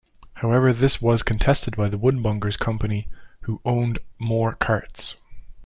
However, this was contested by the Woodmongers' Company, who owned more carts.